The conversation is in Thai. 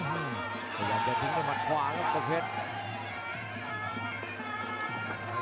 อื้อฮือพยายามจะทิ้งไปมันขวาครับกบเพชร